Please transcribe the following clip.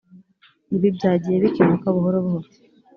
ibi byagiye bikemuka buhoro buhoro